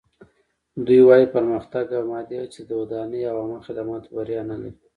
دوی وايي پرمختګ او مادي هڅې د ودانۍ او عامه خدماتو بریا نه لري.